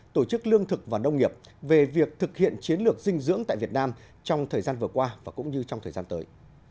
tổ chức lương thực và nông nghiệp về việc thực hiện chiến lược dinh dưỡng tại việt nam trong thời gian vừa qua và cũng như trong thời gian tới